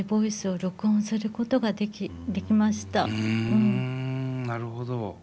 うんなるほど。